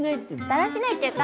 だらしないっていうか。